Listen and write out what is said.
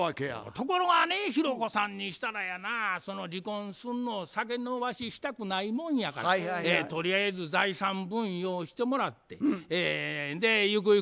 ところがね弘子さんにしたらやなその離婚すんのを先延ばししたくないもんやからとりあえず財産分与をしてもらってゆくゆくもらう退職金